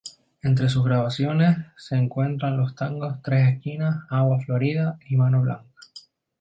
Entre sus grabaciones se encuentran los tangos "Tres esquinas", "Agua florida" y "Mano Blanca".